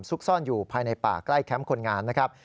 ซ่อนอยู่ภายในป่าใกล้แคมป์คนงานนะครับ